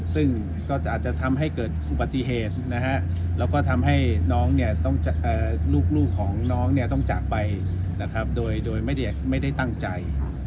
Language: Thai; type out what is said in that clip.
ซึ่งก็จะอาจจะทำให้เกิดอุบัติเหตุแล้วก็ทำให้น้องลูกของน้องต้องจากไปนะครับโดยไม่ได้ตั้งใจ